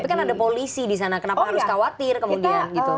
tapi kan ada polisi di sana kenapa harus khawatir kemudian gitu